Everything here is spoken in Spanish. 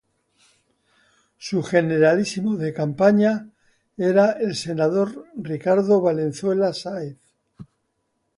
Su generalísimo de campaña era el senador Ricardo Valenzuela Sáez.